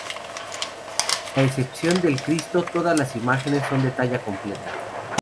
A excepción del Cristo, todas las imágenes son de talla completa.